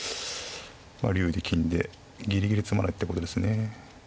まあ竜で金でギリギリ詰まないってことですね。